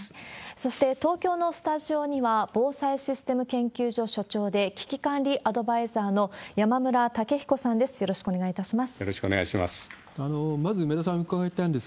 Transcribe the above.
そして、東京のスタジオには、防災システム研究所所長で危機管理アドバイザーの山村武彦さんです。